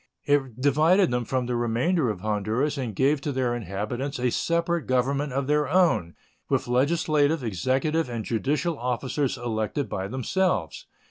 It divided them from the remainder of Honduras and gave to their inhabitants a separate government of their own, with legislative, executive, and judicial officers elected by themselves.